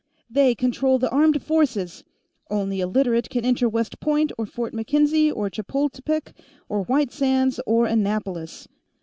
They control the armed forces only a Literate can enter West Point or Fort MacKenzie or Chapultepec or White Sands or Annapolis.